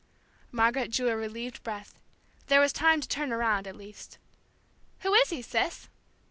Margaret drew a relieved breath. There was time to turn around, at least. "Who is he, sis?"